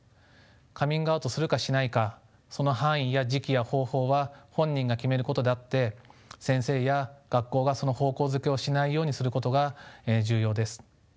カミングアウトするかしないかその範囲や時期や方法は本人が決めることであって先生や学校がその方向付けをしないようにすることが重要です。